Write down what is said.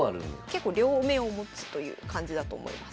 結構両面を持つという感じだと思います。